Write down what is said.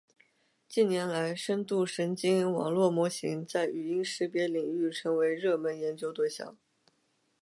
近年来，深度神经网络模型在语音识别领域成为热门研究对象。